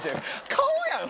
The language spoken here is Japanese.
顔やん！